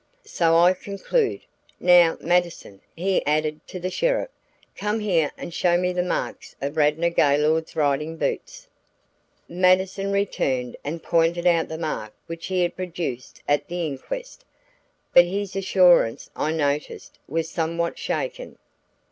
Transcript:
"So I conclude. Now, Mattison," he added to the sheriff, "come here and show me the marks of Radnor Gaylord's riding boots." Mattison returned and pointed out the mark which he had produced at the inquest, but his assurance, I noticed, was somewhat shaken.